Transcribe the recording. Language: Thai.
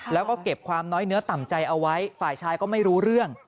แล้วก็เก็บความน้อยเนื้อต่ำใจเอาไว้ฝ่ายชายก็ไม่รู้เรื่อง